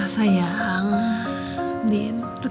gak ada yang boleh dipandang